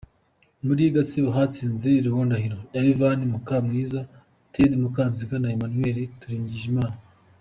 Muri Gatsibo hatsinze Logan Ndahiro, Elivanie Mukamwiza, Teddy Mukanziga, na Emanuel Twiringiyimana.